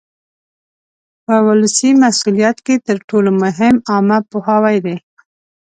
په ولسي مسؤلیت کې تر ټولو مهم عامه پوهاوی دی.